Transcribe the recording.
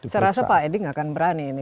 saya rasa pak edi nggak akan berani ini